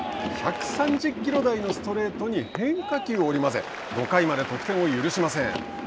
１３０キロ台のストレートに変化球を織り交ぜ５回まで得点を許しません。